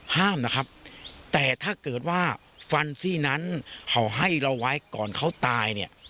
ให้เราไว้ก่อนเขาตายเนี่ย